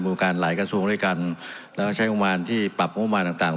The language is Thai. ภูมิการหลายกระทรวงด้วยกันแล้วก็ใช้งานที่ปรับงานต่างต่าง